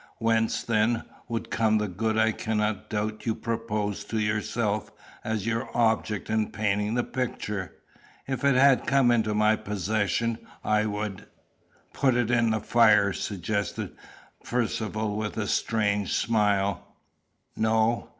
Whence, then, would come the good I cannot doubt you propose to yourself as your object in painting the picture? If it had come into my possession, I would " "Put it in the fire," suggested Percivale with a strange smile. "No.